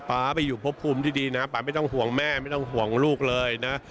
ป๊าไปอยู่ประภูมิดีนะครับป๊าไม่ต้องห่วงแม่ไม่ต้องห่วงลูกเลยนะ